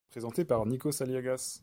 Présenté par Nikos Aliagas.